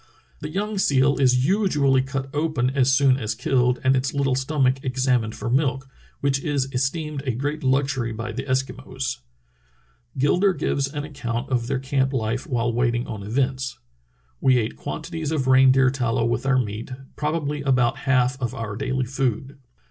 The young seal is usually Schwatka's Summer Search 323 cut open as soon as killed and its little stomach ex amined for milk, which is esteemed a great luxury by the Eskimos." Gilder gives an account of their camp life while wait ing on events. "We ate quantities of reindeer tallow with our meat, probabl} about half of our daily food.